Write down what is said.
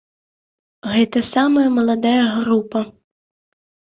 Гэта самая маладая група.